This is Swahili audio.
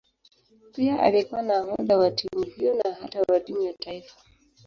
Pia alikuwa nahodha wa timu hiyo na hata wa timu ya taifa.